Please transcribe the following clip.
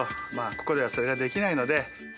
ここではそれができないので。